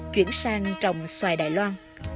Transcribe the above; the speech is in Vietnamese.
chuyển sang trồng xoài đài loan